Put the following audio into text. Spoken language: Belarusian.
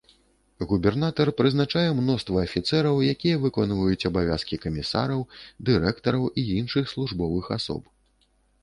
Губернатар прызначае мноства афіцэраў, якія выконваюць абавязкі камісараў, дырэктараў і іншых службовых асоб.